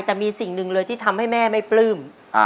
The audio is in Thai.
แต่มีสิ่งหนึ่งเลยที่ทำให้แม่ไม่ปลื้ม